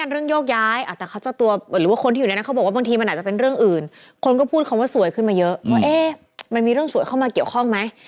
เรื่องโยกย้ายแต่เขาเจ้าตัวหรือว่าคนที่อยู่ในนั้นเขาบอกว่าบางทีมันอาจจะเป็นเรื่องอื่นคนก็พูดคำว่าสวยขึ้นมาเยอะว่ามันมีเรื่องสวยเข้ามาเกี่ยวข้องไหม